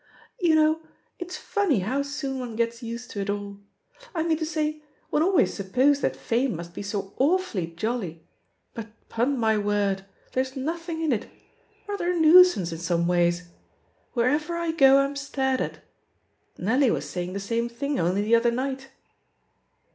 'TTou know, it's funny how soon one gets used to it alL I mean to say, one always supposed that fame must be so awfully jolly, but, 'pon my word, there's nothing in it — ^rather a nuisance in some ways. Wherever I go, I'm stared at ..• Nelly was saying the same thing only the other night."